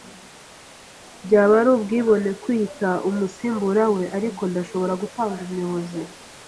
Byaba ari ubwibone kwiyita umusimbura we, ariko ndashobora gutanga ubuyobozi.